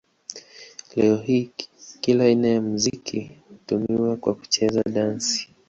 Leo hii kila aina ya muziki hutumiwa kwa kucheza dansi.